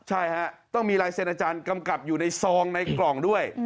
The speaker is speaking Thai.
ใช่ฮะต้องมีลายเซ็นอาจารย์กำกับอยู่ในซองในกล่องด้วย